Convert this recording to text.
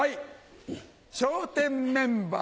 『笑点』メンバー